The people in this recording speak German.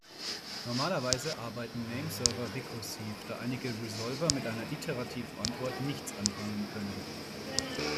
Normalerweise arbeiten Nameserver rekursiv, da einige Resolver mit einer iterativen Antwort nichts anfangen können.